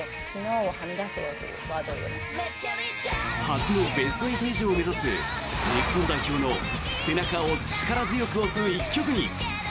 初のベスト８以上を目指す日本代表の背中を力強く押す１曲に。